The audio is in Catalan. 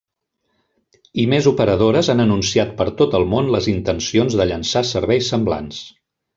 I més operadores han anunciat per tot el món les intencions de llançar serveis semblants.